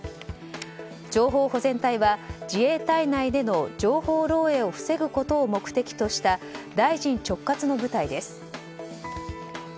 情報保全隊は自衛隊内での情報漏洩を防ぐことを目的とした大臣直轄の部隊です。